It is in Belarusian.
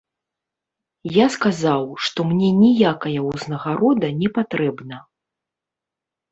Я сказаў, што мне ніякая ўзнагарода не патрэбна.